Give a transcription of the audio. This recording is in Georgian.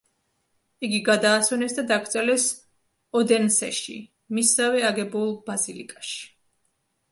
იგი გადაასვენეს და დაკრძალეს ოდენსეში, მისსავე აგებულ ბაზილიკაში.